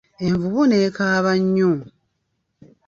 Envubu nekaaba nnyo.